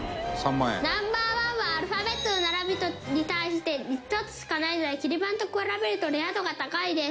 ナンバー１はアルファベットの並びに対して１つしかないのでキリ番と比べるとレア度が高いです。